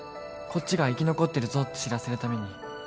こっちが生き残ってるぞって知らせるために。